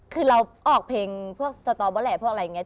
คือเราออกเพลงพวกสตบพวกอะไรอย่างนี้